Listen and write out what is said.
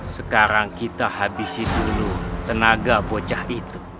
sekarang kita habisi dulu tenaga bocah itu